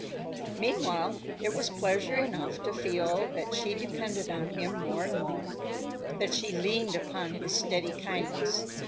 Meanwhile, it was pleasure enough to feel that she depended on him more and more, that she leaned upon his steady kindness.